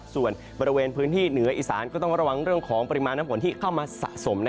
ส่วนบริเวณพื้นที่เหนืออีสานก็ต้องระวังเรื่องของปริมาณน้ำฝนที่เข้ามาสะสม